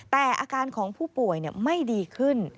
แต่อาการของผู้ป่วยไม่ดีขึ้น